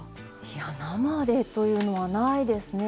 いや生でというのはないですね。